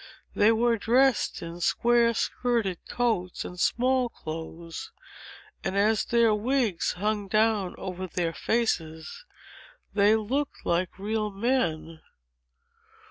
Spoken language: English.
They were dressed in square skirted coats and small clothes; and, as their wigs hung down over their faces, they looked like real men.